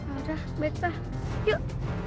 aduh baiklah yuk